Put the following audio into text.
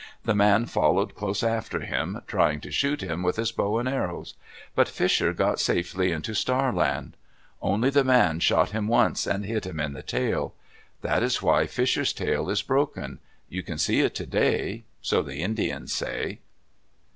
The man followed close after him, trying to shoot him with his bow and arrows. But Fisher got safely into Star Land. Only the man shot him once and hit him in the tail. That is why Fisher's tail is broken. You can see it today—so the Indians say.